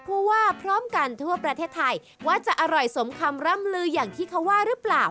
ผู้ว่าพร้อมกันทั่วประเทศไทยว่าจะอร่อยสมคำร่ำลืออย่างที่เขาว่าหรือเปล่า